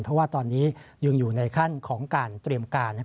เพราะว่าตอนนี้ยังอยู่ในขั้นของการเตรียมการ